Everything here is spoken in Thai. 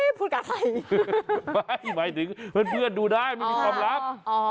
เอ๊ะพูดกับใครไม่หมายถึงเพื่อนเพื่อนดูได้ไม่มีความลับอ๋อ